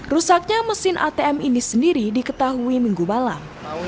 rusaknya mesin atm ini sendiri diketahui minggu malam